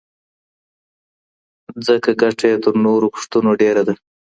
ځکه ګټه یې تر نورو کښتونو ډېره ده.